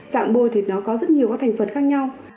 dạng bôi thì nó có rất nhiều các thành phần khác nhau